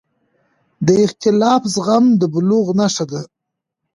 د اختلاف زغم د بلوغ نښه ده